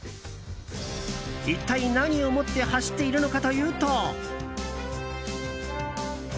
一体何を持って走っているのかというと。